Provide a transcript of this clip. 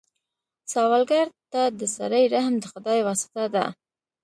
سوالګر ته د سړي رحم د خدای واسطه ده